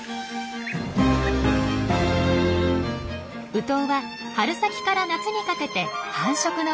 ウトウは春先から夏にかけて繁殖の真っ最中。